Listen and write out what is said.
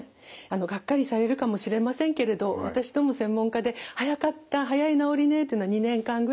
がっかりされるかもしれませんけれど私ども専門家で早かった早い治りねっていうのは２年間ぐらいかかっています。